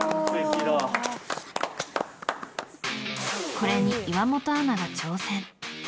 これに岩本アナが挑戦。